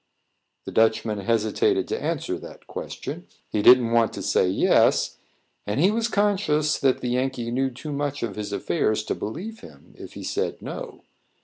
The Dutchman hesitated to answer that question; he didn't want to say yes, and he was conscious that the Yankee knew too much of his affairs to believe him if he said no.